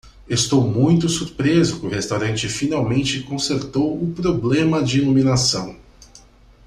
Estou muito surpreso que o restaurante finalmente consertou o problema de iluminação.